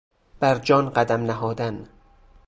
بر جان قدم نهادن